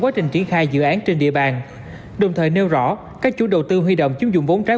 quá trình triển khai dự án trên địa bàn đồng thời nêu rõ các chủ đầu tư huy động chiếm dụng vốn trái